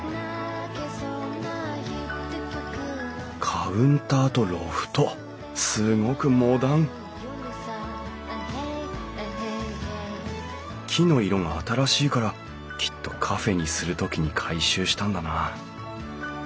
カウンターとロフトすごくモダン木の色が新しいからきっとカフェにする時に改修したんだな。